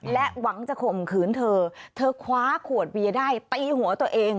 และหวังจะข่มขืนเธอเธอคว้าขวดเบียร์ได้ตีหัวตัวเอง